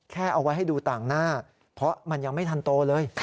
เอาไว้ให้ดูต่างหน้าเพราะมันยังไม่ทันโตเลย